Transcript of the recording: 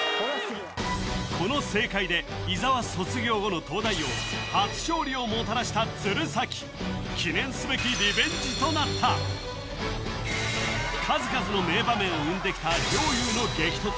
この正解で伊沢卒業後の「東大王」初勝利をもたらした鶴崎となった数々の名場面を生んできた両雄の激突